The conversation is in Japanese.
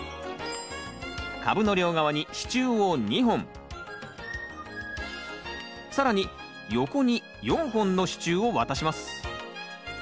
株の両側に支柱を２本更に横に４本の支柱をわたします。